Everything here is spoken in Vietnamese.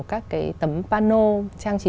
các cái tấm pano trang trí